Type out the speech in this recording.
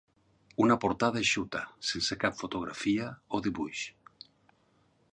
Una portada eixuta, sense cap fotografia o dibuix.